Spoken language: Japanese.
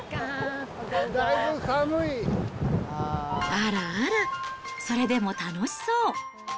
あらあら、それでも楽しそう。